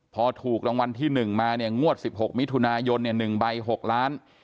พอถูกรางวัลที่๑มาเนี่ยงวด๑๖มิถุนายน๑ใบ๖ล้าน